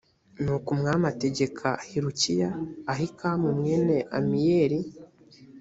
nuko umwami ategeka hilukiya ahikamu mwene amiyeli